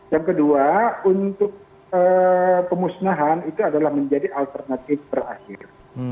yang kedua untuk pemusnahan itu adalah menjadi alternatif berakhir